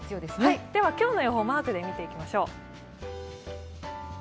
今日の予報、マークで見ていきましょう。